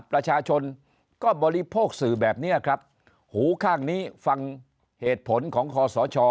ประชาชนก็บริโภคสื่อแบบเนี้ยครับหูข้างนี้ฟังเหตุผลของคอสช